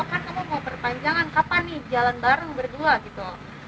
kan kamu mau perpanjangan kapan nih jalan bareng berdua gitu